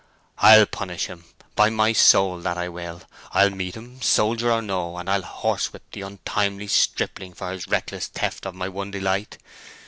"I'll punish him—by my soul, that will I! I'll meet him, soldier or no, and I'll horsewhip the untimely stripling for this reckless theft of my one delight.